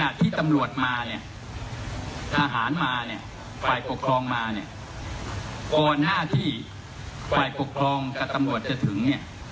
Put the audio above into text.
ที่ตำรวจมาเนี่ยทหารมาเนี่ยฝ่ายปกครองมาเนี่ยก่อนหน้าที่ฝ่ายปกครองกับตำรวจจะถึงเนี่ย